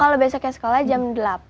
kalau besoknya sekolah jam delapan